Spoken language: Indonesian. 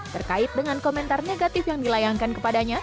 terkait dengan komentar negatif yang dilayangkan kepadanya